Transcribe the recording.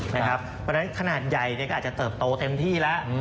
เพราะฉะนั้นขนาดใหญ่ก็อาจจะเติบโตเต็มที่แล้ว